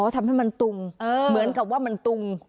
ทำให้มันตุงเหมือนกับว่ามันตุง